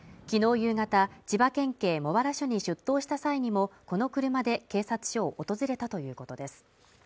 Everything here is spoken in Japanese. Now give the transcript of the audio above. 夕方千葉県警茂原署に出頭した際にもこの車で警察署を訪れたということです